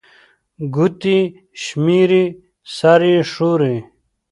ګوتي شمېري، سر يې ښوري